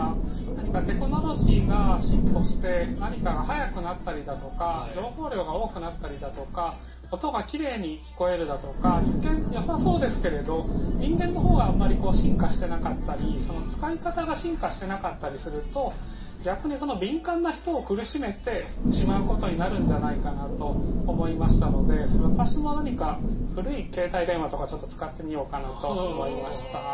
何かテクノロジーが進歩して何かが速くなったりだとか情報量が多くなったりだとか音がきれいに聞こえるだとか一見よさそうですけれど人間の方があんまりこう進化してなかったりその使い方が進化してなかったりすると逆にその敏感な人を苦しめてしまうことになるんじゃないかなと思いましたので私も何か古い携帯電話とかちょっと使ってみようかなと思いました。